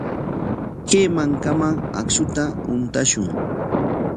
Kay mankaman akshuta huntashun.